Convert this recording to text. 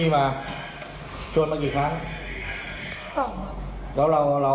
ไม่แค่เยอะ